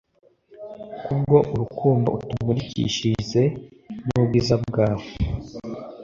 Kubwo urukundo utumurikishirize n’ubwiza bwawe